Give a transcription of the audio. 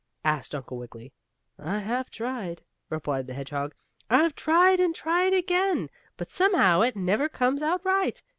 asked Uncle Wiggily. "I have tried," replied the hedgehog. "I've tried and tried again, but, somehow, it never comes out right.